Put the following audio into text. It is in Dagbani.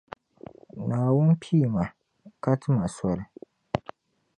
Naawuni pii ma, ka ti ma soli.